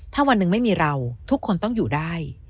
ถ้าวันหนึ่งไม่มีเราทุกคนต้องอยู่ได้